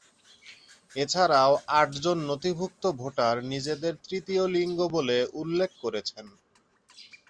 এছাড়াও আটজন নথিভূক্ত ভোটার নিজেদের তৃতীয় লিঙ্গ বলে উল্লেখ করেছেন।